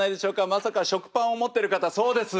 まさか食パンを持ってる方そうです。